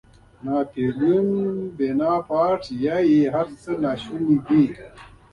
ناپیلیون بناپارټ وایي هر څه شوني دي.